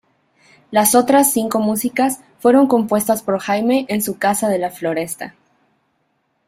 Las otras cinco músicas fueron compuestas por Jaime en su casa de La Floresta.